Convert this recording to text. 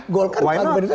golkar gabung pdi perjuangan